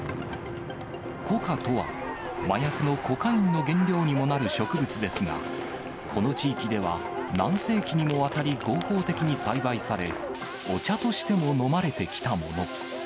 コカとは、麻薬のコカインの原料にもなる植物ですが、この地域では何世紀にもわたり合法的に栽培され、お茶としても飲まれてきたもの。